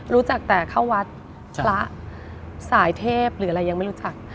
รู้จักแต่เข้าวัดพระสายเทพหรืออะไรยังไม่รู้จัก